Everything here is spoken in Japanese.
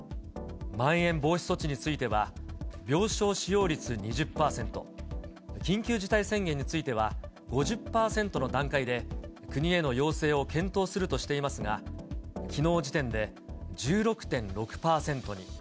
まん延防止措置については、病床使用率２０％、緊急事態宣言については、５０％の段階で、国への要請を検討するとしていますが、きのう時点で１６．６％に。